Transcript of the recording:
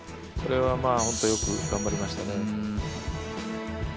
これは本当によく頑張りましたね。